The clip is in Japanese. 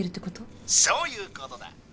そういうことだ。